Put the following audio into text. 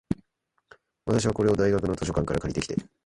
私は、これを大学の図書館から借りてきて、